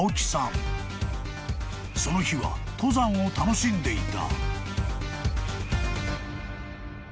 ［その日は登山を楽しんでいた］